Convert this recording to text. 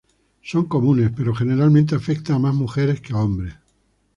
Son comunes, pero generalmente afecta a más mujeres que a hombres.